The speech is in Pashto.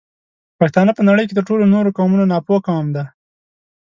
پښتانه په نړۍ کې تر ټولو نورو قومونو ناپوه قوم دی